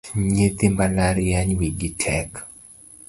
Nyithi mbalariany wigi tek